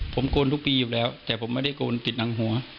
ผมกร้อนทุกปีอยู่แล้วแต่ผมไม่ได้กร้อนติดนังหัว